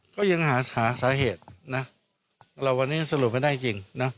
ก็ยังหาสาเหตุนะวันนี้สรุปไม่ได้จริงนะ